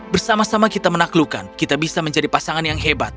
bersama sama kita menaklukkan kita bisa menjadi pasangan yang hebat